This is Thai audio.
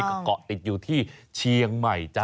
ก็เกาะติดอยู่ที่เชียงใหม่จ้ะ